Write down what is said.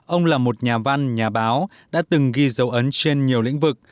ông là một nhà văn nhà báo đã từng ghi dấu ấn trên nhiều lĩnh vực